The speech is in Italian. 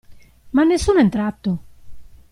Ma nessuno è entrato!